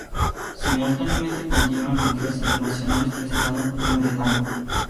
Simultáneamente continúan con giras internacionales presentando "Perfume de tango".